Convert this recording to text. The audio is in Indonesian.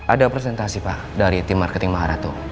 ada presentasi pak dari tim marketing maharapto